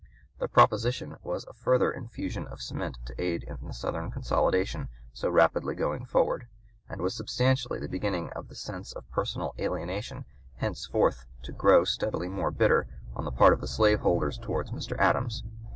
The proposition was a further infusion of cement to aid in the Southern consolidation so rapidly going forward, and was substantially the beginning of the sense of personal alienation henceforth to grow steadily more bitter on (p. 192) the part of the slaveholders towards Mr. Adams.